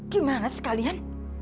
gimana sih kalian